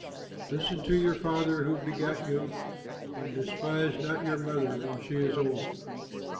Listen to your father who begat you, And despise not your mother when she is old.